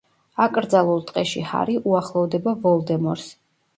აკრძალულ ტყეში ჰარი უახლოვდება ვოლდემორს.